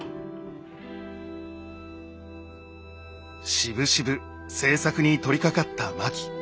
しぶしぶ製作に取りかかった槇。